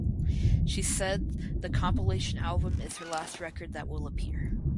She said the compilation album is her last record that will appear.